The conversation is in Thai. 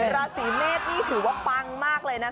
ราศีเมษนี่ถือว่าปังมากเลยนะคะ